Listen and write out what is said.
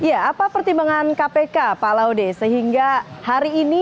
ya apa pertimbangan kpk pak laude sehingga hari ini